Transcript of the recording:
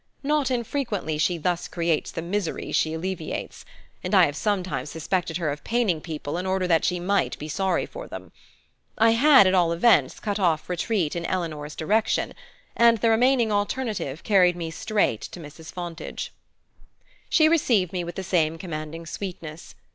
Not infrequently she thus creates the misery she alleviates; and I have sometimes suspected her of paining people in order that she might be sorry for them. I had, at all events, cut off retreat in Eleanor's direction; and the remaining alternative carried me straight to Mrs. Fontage. She received me with the same commanding sweetness.